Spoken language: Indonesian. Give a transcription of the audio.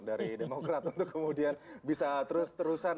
dari demokrat untuk kemudian bisa terus terusan